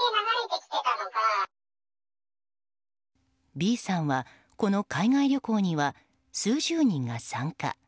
Ｂさんはこの海外旅行には数十人が参加。